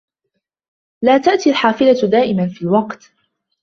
لا تأتي الحافلة دائما في الوقت.